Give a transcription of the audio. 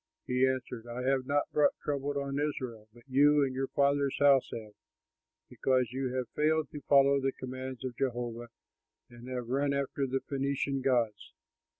He answered, "I have not brought trouble on Israel, but you and your father's house have; because you have failed to follow the commands of Jehovah and have run after the Phœnician gods.